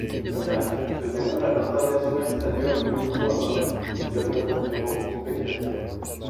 Le match se déroule à l'International Stadium Yokohama au Japon devant spectateurs.